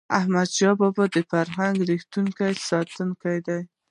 احمدشاه بابا د فرهنګي ارزښتونو ساتنه کړی.